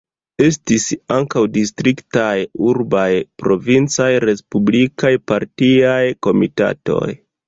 Estis ankaŭ distriktaj, urbaj, provincaj, respublikaj partiaj komitatoj.